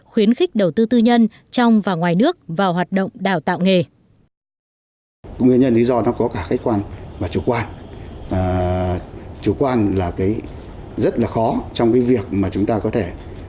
khuyến khích đầu tư tư nhân trong và ngoài nước vào hoạt động đào tạo nghề